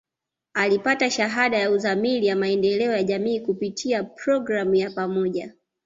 Alipata Shahada ya Uzamili ya Maendeleo ya Jamii kupitia programu ya pamoja